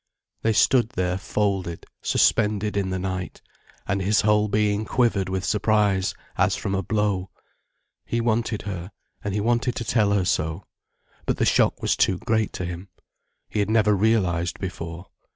They stood there folded, suspended in the night. And his whole being quivered with surprise, as from a blow. He wanted her, and he wanted to tell her so. But the shock was too great to him. He had never realized before.